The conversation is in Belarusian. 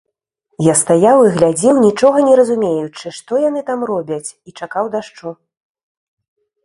Я стаяў і глядзеў, нічога не разумеючы, што яны там робяць, і чакаў дажджу.